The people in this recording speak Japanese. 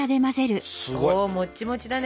すごい！もっちもちだね！